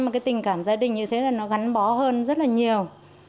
mà cái tình cảm gia đình như thế là nó gắn bó hơn rất là nhiều